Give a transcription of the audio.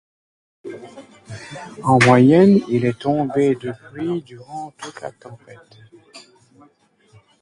En moyenne, il est tombé de pluie durant toute la tempête.